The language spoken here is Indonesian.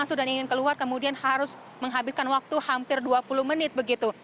masuk dan ingin keluar kemudian harus menghabiskan waktu hampir dua puluh menit begitu